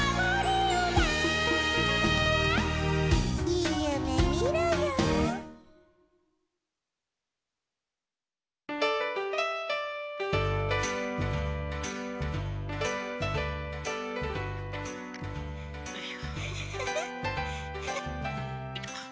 「」「」「」「」「」「いいゆめみろよ☆」フフッ。